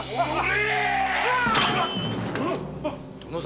殿様。